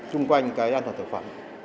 trung quanh cái ăn dòng thuốc quả